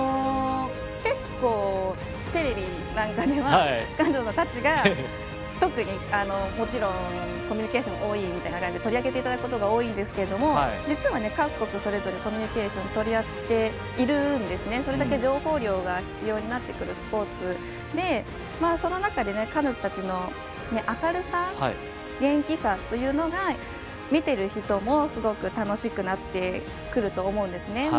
結構、テレビなんかでは彼女たちが、特にコミュニケーションが多いみたいな感じで取り上げていただくことが多いんですけど実は、各国それぞれコミュニケーションを取り合っていてそれだけ情報量が必要になってくるスポーツでその中で彼女たちの明るさ、元気さというのが見ている人もすごく楽しくなってくると思うんですね。